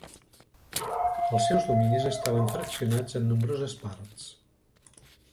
Els seus dominis estaven fraccionats en nombroses parts.